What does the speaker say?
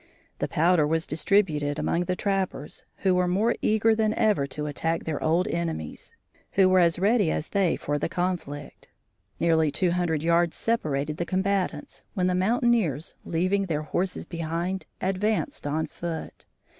The powder was distributed among the trappers, who were more eager than ever to attack their old enemies, who were as ready as they for the conflict. Nearly two hundred yards separated the combatants, when the mountaineers, leaving their horses behind, advanced on foot.